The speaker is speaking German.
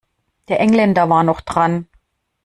Der Engländer war noch dran.